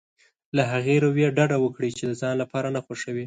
له هغې رويې ډډه وکړي چې د ځان لپاره نه خوښوي.